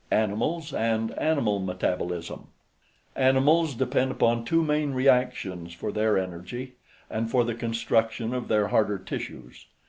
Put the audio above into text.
ANIMALS AND ANIMAL METABOLISM Animals depend upon two main reactions for their energy, and for the construction of their harder tissues.